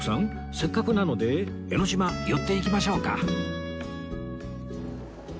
せっかくなので江の島寄っていきましょうか